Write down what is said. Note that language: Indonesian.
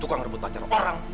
tukang merebut pacaran orang